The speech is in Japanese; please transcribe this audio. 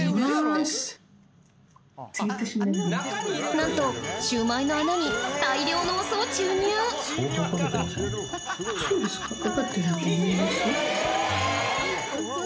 なんとシュウマイの穴に大量のお酢を注入相当食べてません？